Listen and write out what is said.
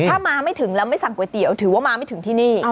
ถ้ามาไม่ถึงแล้วไม่สั่งก๋วยเตี๋ยวถือว่ามาไม่ถึงที่นี่